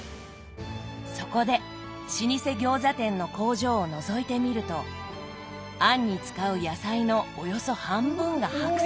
そこで老舗餃子店の工場をのぞいてみると餡に使う野菜のおよそ半分が白菜。